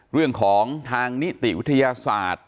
เรื่องของทางนิติวิทยาศาสตร์